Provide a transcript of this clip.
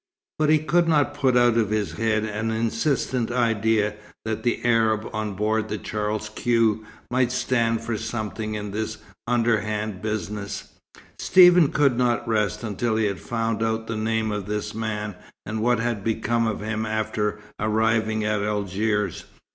But he could not put out of his head an insistent idea that the Arab on board the Charles Quex might stand for something in this underhand business. Stephen could not rest until he had found out the name of this man, and what had become of him after arriving at Algiers.